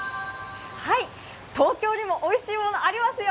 東京にもおいしいもの、ありますよ。